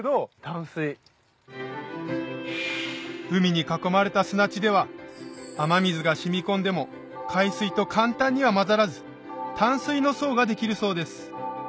海に囲まれた砂地では雨水が染み込んでも海水と簡単には混ざらず淡水の層ができるそうです